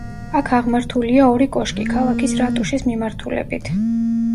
აქ აღმართულია ორი კოშკი–ქალაქის რატუშის მიმართულებით.